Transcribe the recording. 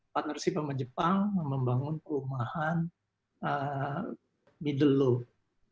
partnership sama jepang membangun perumahan middle love